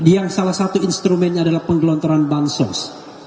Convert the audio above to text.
yang salah satu instrumennya adalah penggelontoran bansos